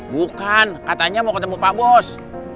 bukan katanya mau ketemu pak bos